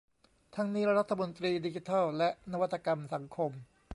ทั้งนี้รัฐมนตรีดิจิทัลและนวัตกรรมสังคม